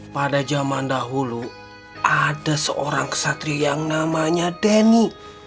pada zaman dahulu ada seorang kesatri yang namanya denny